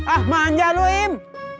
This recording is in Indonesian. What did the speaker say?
ah manja lu im